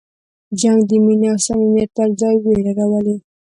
جنګ د مینې او صمیمیت پر ځای وېره راولي.